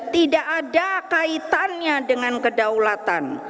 tidak ada kaitannya dengan kedaulatan